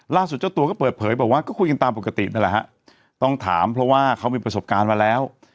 เจ้าตัวก็เปิดเผยบอกว่าก็คุยกันตามปกตินั่นแหละฮะต้องถามเพราะว่าเขามีประสบการณ์มาแล้ว